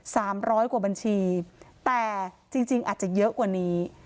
สามร้อยกว่าบัญชีแต่จริงจริงอาจจะเยอะกว่านี้